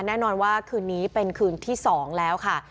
แน่นอนว่าคืนนี้เป็นคืนที่๒แล้วค่ะ